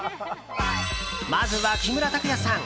まずは、木村拓哉さん。